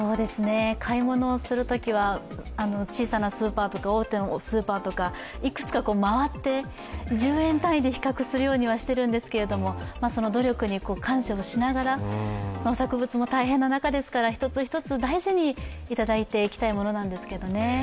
買い物をするときは小さなスーパーとか大手のスーパーとかいくつか回って１０円単位で比較するようにはしているんですけれども、農作物も大変な中ですから、一つ一つ大事にいただいていきたいところなんですけどね。